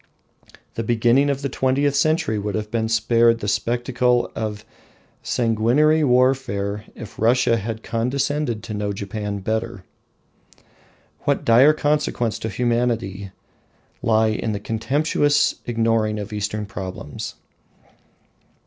The beginning of the twentieth century would have been spared the spectacle of sanguinary warfare if Russia had condescended to know Japan better. What dire consequences to humanity lie in the contemptuous ignoring of Eastern problems!